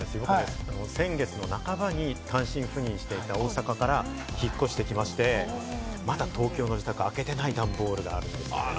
先月の半ばに単身赴任していた大阪から引っ越して来まして、まだ東京の自宅、開けてない段ボールがあるんです。